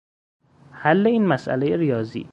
حل این مسئلهی ریاضی